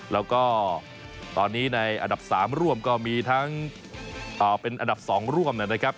แล้วก็ตอนนี้ในอันดับ๓ร่วมก็มีทั้งเป็นอันดับ๒ร่วมนะครับ